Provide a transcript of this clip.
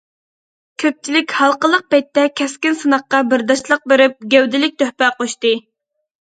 كۆپچىلىك ھالقىلىق پەيتتە كەسكىن سىناققا بەرداشلىق بېرىپ، گەۋدىلىك تۆھپە قوشتى.